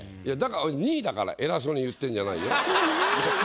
２位だから偉そうに言ってんじゃないよ。